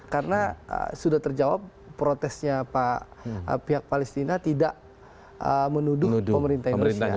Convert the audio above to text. karena sudah terjawab protesnya pak pihak palestina tidak menuduh pemerintah indonesia